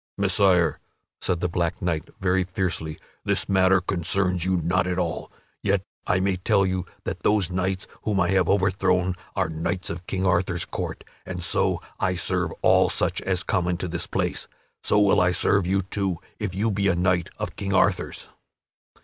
"Messire," said the black knight very fiercely, "this matter concerns you not at all; yet I may tell you that those knights whom I have overthrown are knights of King Arthur's court, and so I serve all such as come into this place. So will I serve you, too, if you be a knight of King Arthur's."